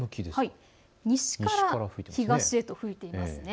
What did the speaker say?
西から東へと吹いてきます。